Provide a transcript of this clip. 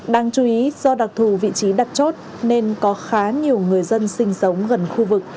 đáng chú ý do đặc thù vị trí đặt chốt nên có khá nhiều người dân sinh sống gần khu vực